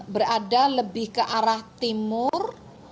berada lebih ke arah timur